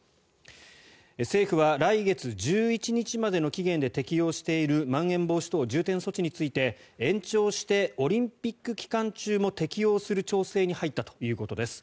政府は来月１１日までの期限で適用しているまん延防止等重点措置について延長してオリンピック期間中も適用する調整に入ったということです。